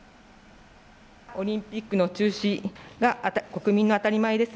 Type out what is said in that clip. オリンピックの中止が国民の当たり前です。